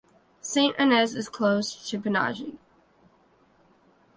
St. Inez is close to Panaji